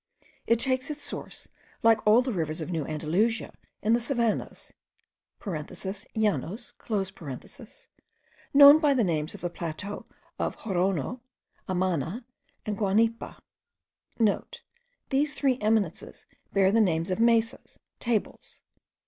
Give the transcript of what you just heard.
It takes its source, like all the rivers of New Andalusia, in the savannahs (llanos) known by the names of the plateaux of Jonoro, Amana, and Guanipa,* (* These three eminences bear the names of mesas, tables.